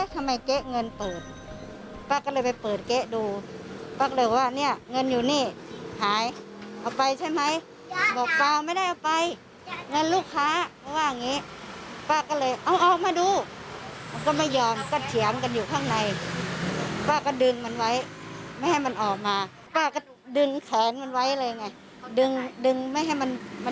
แต่มันไม่ได้เพราะมันมอเตอร์ไซค์เนอะ